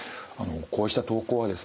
こうした投稿はですね